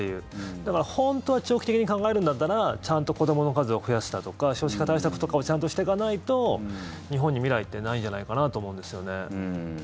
だから本当は長期的に考えるんだったらちゃんと子どもの数を増やしたとか少子化対策とかをちゃんとしていかないと日本に未来ってないんじゃないかなと思うんですよね。